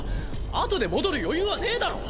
あとで戻る余裕はねぇだろ。